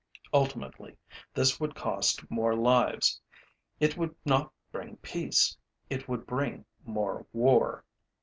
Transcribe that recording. Ultimately, this would cost more lives. It would not bring peace. It would bring more war.